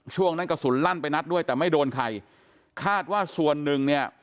ช่วงนั้นกระสุนลั่นไปนัดด้วยแต่ไม่โดนใครคาดว่าส่วนหนึ่งเนี่ย